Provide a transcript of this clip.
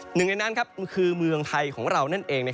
หนึ่งในนั้นคือเมืองไทยของเรานั่นเอง